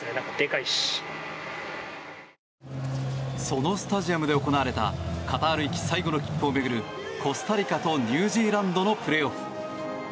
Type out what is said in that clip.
そのスタジアムで行われたカタール行き最後の切符を巡るコスタリカとニュージーランドのプレーオフ。